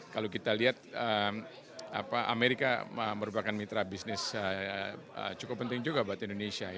kalau kita lihat amerika merupakan mitra bisnis cukup penting juga buat indonesia